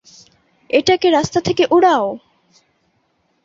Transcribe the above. এটাকে রাস্তা থেকে উড়াও!